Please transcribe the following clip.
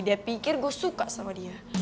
dia pikir gue suka sama dia